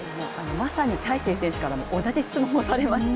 まさに大勢選手からも同じ質問をされました。